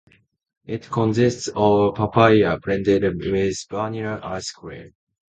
It consists of papaya blended with vanilla ice cream.